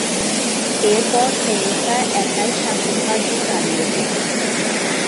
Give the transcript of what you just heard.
এরপর তেরেসা একাই শাসনকার্য চালিয়ে যান।